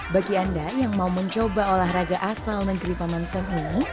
bagi anda yang mau mencoba olahraga asal negeri paman sam ini